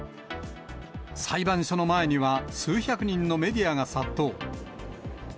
裁判所の前には、数百人のメディアが殺到。